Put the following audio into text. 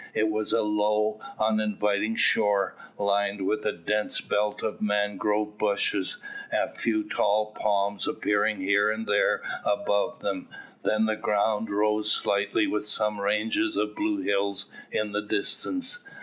It was a low, uninviting shore, lined with a dense belt of mangrove bushes, a few tall palms appearing here and there above them; then the ground rose slightly, with some ranges of blue hills in the distance.